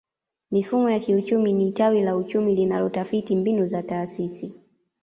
Mifumo ya kiuchumi ni tawi la uchumi linalotafiti mbinu na taasisi